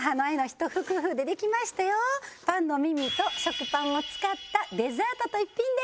パンの耳と食パンを使ったデザートと一品です。